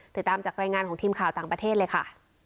ติดตามจากรายงานของทีมข่าวต่างประเทศเลยค่ะ